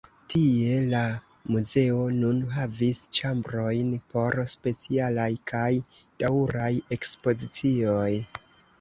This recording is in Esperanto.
Tie la muzeo nun havis ĉambrojn por specialaj kaj daŭraj ekspozicioj.